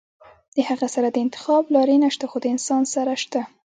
د هغه سره د انتخاب لارې نشته خو د انسان سره شته -